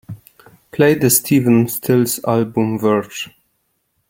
Play the Stephen Stills album Verge